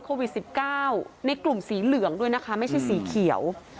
โควิด๑๙ในกลุ่มสีเหลืองด้วยนะคะไม่ใช่สีเขียว